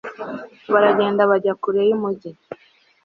baragenda bajya kure y'umugi